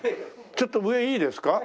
ちょっと上いいですか？